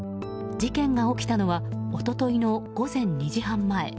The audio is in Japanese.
事件が起きたのは一昨日の午前２時半前。